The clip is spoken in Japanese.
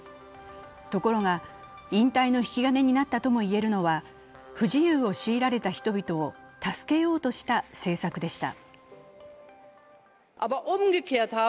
ところが、引退の引き金になったとも言えるのは不自由を強いられた人々を助けようとした政策でした。